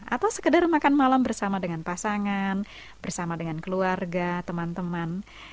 atau sekedar makan malam bersama dengan pasangan bersama dengan keluarga teman teman